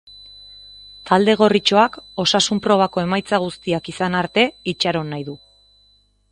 Talde gorritxoak osasun probako emaitza guztiak izan arte itxaron nahi du.